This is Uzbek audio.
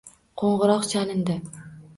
Qo‘ng‘iroq chalindi.